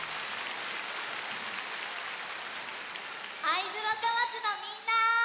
あいづわかまつのみんな。